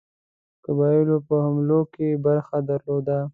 قبایلو په حملو کې برخه درلوده.